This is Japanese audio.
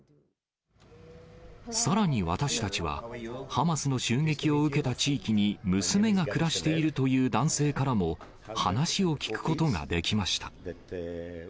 さらに私たちは、ハマスの襲撃を受けた地域に娘が暮らしているという男性からも、話を聞くことができました。